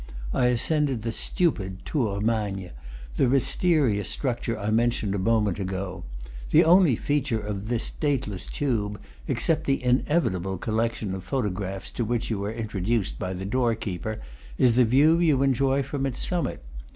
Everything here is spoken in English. I ascended the stupid Tour Magne, the mysterious structure I mentioned a moment ago. The only feature of this dateless tube, except the inevitable collection of photographs to which you are introduced by the door keeper, is the view you enjoy from its summit.